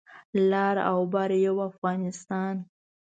لر او بر یو افغانستان